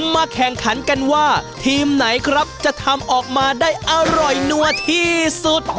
มาแข่งขันกันว่าทีมไหนครับจะทำออกมาได้อร่อยนัวที่สุด